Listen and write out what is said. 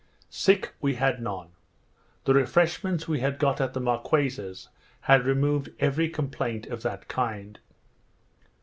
Sick we had none; the refreshments we had got at the Marquesas had removed every complaint of that kind.